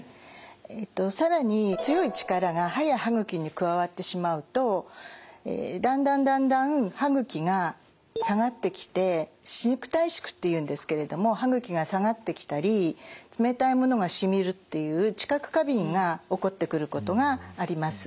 更に強い力が歯や歯ぐきに加わってしまうとだんだんだんだん歯ぐきが下がってきて歯肉退縮っていうんですけれども歯ぐきが下がってきたり冷たいものがしみるっていう知覚過敏が起こってくることがあります。